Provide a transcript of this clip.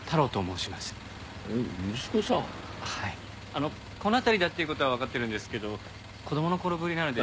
あのこの辺りだっていう事はわかってるんですけど子供の頃ぶりなので。